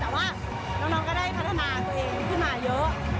แต่ว่าน้องก็ได้พัฒนาตัวเองขึ้นมาเยอะ